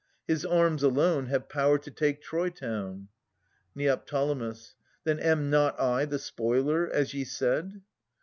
His arms alone have power to take Troy town. Neo. Then am not I the spoiler, as ye said?